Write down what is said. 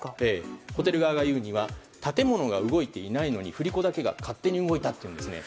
ホテル側が言うには建物は動いていないのに振り子だけが勝手に動いたっていうんですね。